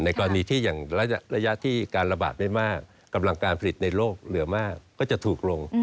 กรณีที่อย่างระยะที่การระบาดไม่มากกำลังการผลิตในโลกเหลือมากก็จะถูกลง